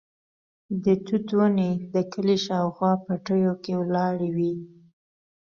د توت ونې د کلي شاوخوا پټیو کې ولاړې وې.